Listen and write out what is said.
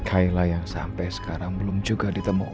kayla yang sampai sekarang belum juga ditemui